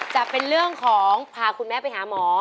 จะเป็นเรื่องของพาคุณแม่ไปหาหมอ